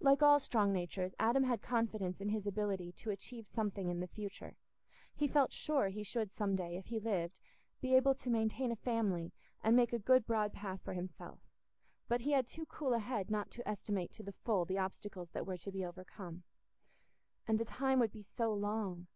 Like all strong natures, Adam had confidence in his ability to achieve something in the future; he felt sure he should some day, if he lived, be able to maintain a family and make a good broad path for himself; but he had too cool a head not to estimate to the full the obstacles that were to be overcome. And the time would be so long!